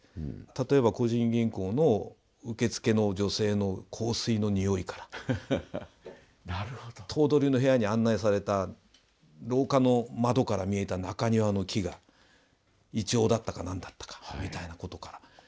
例えば個人銀行の受付の女性の香水の匂いから頭取の部屋に案内された廊下の窓から見えた中庭の木がイチョウだったか何だったかみたいなことから。